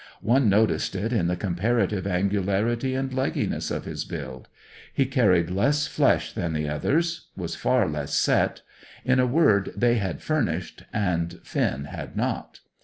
One noticed it in the comparative angularity and leggyness of his build. He carried less flesh than the others, was far less set; in a word, they had "furnished," and Finn had not.